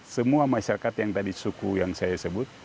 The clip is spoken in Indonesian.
semua masyarakat yang tadi suku yang saya sebut